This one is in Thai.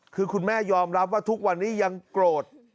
คือคุณแม่ยอมรับว่าทุกวันนี้ยังโกรธ